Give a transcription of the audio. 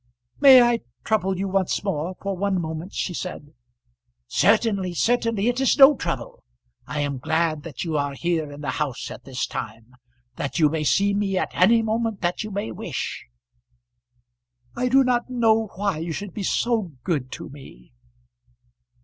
"May I trouble you once more for one moment?" she said. "Certainly, certainly; it is no trouble. I am glad that you are here in the house at this time, that you may see me at any moment that you may wish." "I do not know why you should be so good to me."